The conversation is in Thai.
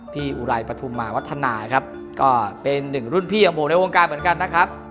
อุไรปฐุมมาวัฒนาครับก็เป็นหนึ่งรุ่นพี่ของผมในวงการเหมือนกันนะครับ